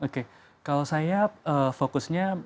kalau saya fokusnya